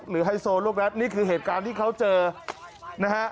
ไฮโซลูกรัฐนี่คือเหตุการณ์ที่เขาเจอนะฮะ